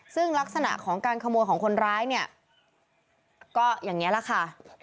ซึ่งลักษณะของการขโมยของคนร้ายเนี่ยก็อย่างนี้แหละค่ะ